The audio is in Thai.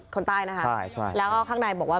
คนใต้นะคะแล้วก็ข้างในบอกว่า